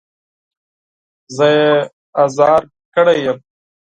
زه يې ازار کړی يم.